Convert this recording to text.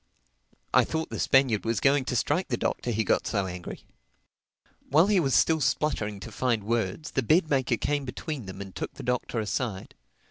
I thought the Spaniard was going to strike the Doctor he got so angry. While he was still spluttering to find words, the bed maker came between them and took the Doctor aside.